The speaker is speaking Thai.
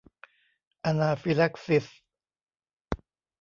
อะนาฟิแล็กซิส